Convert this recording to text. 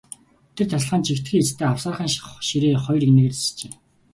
Тэр тасалгаанд жигдхэн хийцтэй авсаархан ширээ хоёр эгнээгээр засжээ.